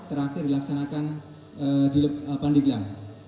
dan terakhir dilaksanakan di pandiglang